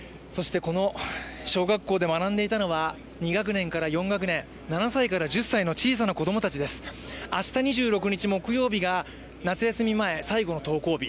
そしてこの小学校で学んでいたのは２学年から４学年７歳から１０歳の小さな子供たちです明日２６日木曜日が夏休み前最後の登校日。